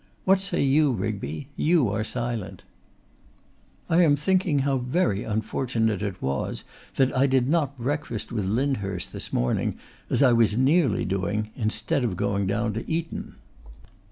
What say you, Rigby? You are silent.' 'I am thinking how very unfortunate it was that I did not breakfast with Lyndhurst this morning, as I was nearly doing, instead of going down to Eton.